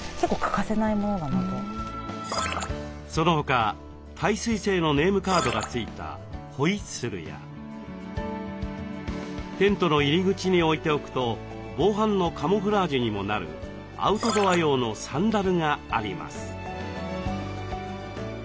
その他耐水性のネームカードが付いたホイッスルやテントの入り口に置いておくと防犯のカモフラージュにもなるアウトドア用のサンダルがあります。